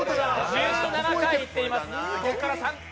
１７回いっています。